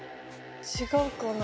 違うかな？